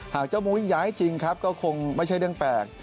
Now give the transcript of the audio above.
เจ้ามุ้ยย้ายจริงครับก็คงไม่ใช่เรื่องแปลก